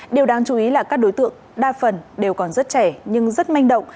điều đáng chú ý là các đối tượng đa phần đều còn rất trẻ nhưng rất manh động